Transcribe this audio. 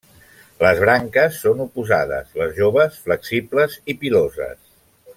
Les branques són oposades, les joves flexibles i piloses.